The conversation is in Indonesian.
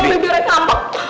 bungkul bibitnya ngambek